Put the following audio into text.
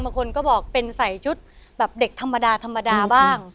บางคนก็บอกเป็นใส่ชุดแบบเด็กธรรมดาธรรมดาบ้าง